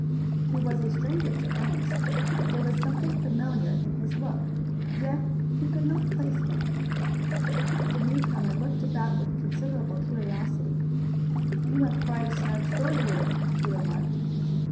He was a stranger to Ernest, but there was something familiar in his look, yet he could not place him. The newcomer looked about with considerable curiosity. "You have quite a snug store here," he remarked.